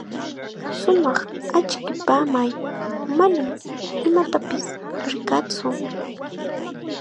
Shumaq achkipamay, manam imatapis rikaatsu.